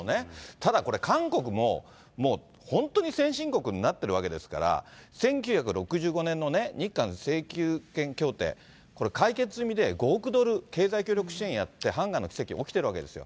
ただ、これ、韓国も、もう本当に先進国になってるわけですから、１９６５年のね、日韓請求権協定、これ、解決済みで５億ドル、経済協力支援やって、ハンガンの奇跡、起きてるわけですよ。